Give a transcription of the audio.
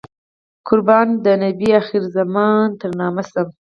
قربان د نبي اخر الزمان تر نامه شم.